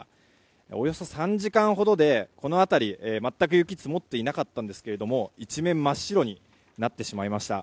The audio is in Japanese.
およそ３時間ほどでこの辺り全く雪が積もっていなかったんですが一面、真っ白になってしまいました。